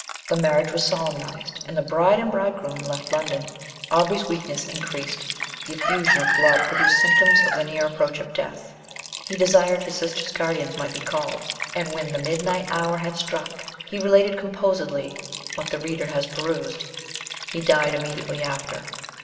The marriage was solemnized, and the bride and bridegroom left London. Aubrey's weakness increased; the effusion of blood produced symptoms of the near approach of death. He desired his sister's guardians might be called, and when the midnight hour had struck, he related composedly what the reader has perused he died immediately after.